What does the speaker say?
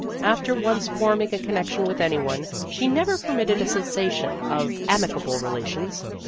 After once forming a connection with any one, she never per mitted a cessation of amicable relations.